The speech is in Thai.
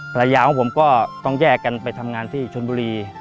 ภรรยาของผมก็ต้องแยกกันไปทำงานที่ชนบุรี